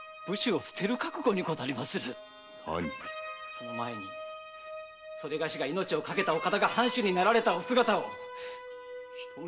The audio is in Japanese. その前にそれがしが命を懸けたお方が藩主になられたお姿をひと目